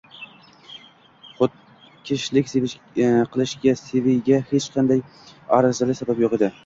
Xudkushlik qilishga Sveygda hech qanday arzirli sabab yo`q edi